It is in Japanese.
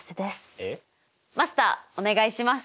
マスターお願いします！